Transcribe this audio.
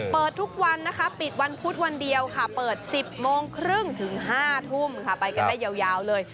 เปิดทุกวันนะคะปิดวันพุธวันเดียวค่ะเปิด๑๐โมงครึ่งถึง๕ทุ่มค่ะไปกันได้ยาวเลย